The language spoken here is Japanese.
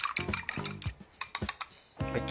はい。